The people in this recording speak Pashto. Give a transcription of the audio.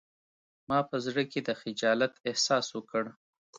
ما په زړه کې د خجالت احساس وکړ